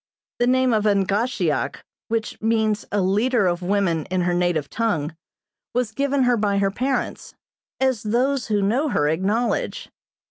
The name of Angahsheock, which means a leader of women in her native tongue, was given her by her parents, as those who know her acknowledge.